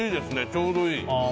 ちょうどいい。